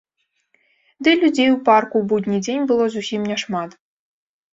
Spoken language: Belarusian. Дый людзей у парку ў будні дзень было зусім не шмат.